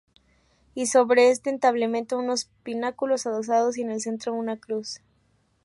Y sobre este entablamento, unos pináculos adosados y en el centro una cruz.